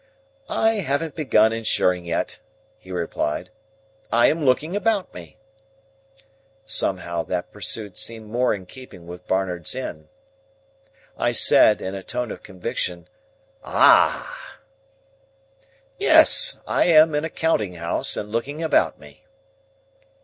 "I haven't begun insuring yet," he replied. "I am looking about me." Somehow, that pursuit seemed more in keeping with Barnard's Inn. I said (in a tone of conviction), "Ah h!" "Yes. I am in a counting house, and looking about me."